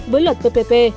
với luật ppp